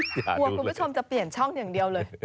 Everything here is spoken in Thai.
กลัวคุณผู้ชมจะเปลี่ยนช่องอย่างเดียวเลย